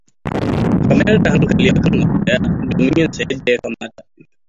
Ka mayar da hankali kan abu daya domin yinsa yadda ya kamata.